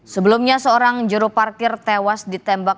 sebelumnya seorang juru parkir tewas ditembak